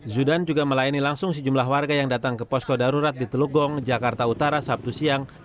zudan juga melayani langsung sejumlah warga yang datang ke posko darurat di teluk gong jakarta utara sabtu siang